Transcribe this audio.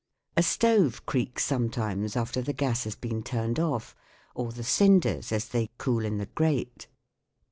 A stove creaks sometimes after the gas has been turned off, or the cinders as they cool in the grate.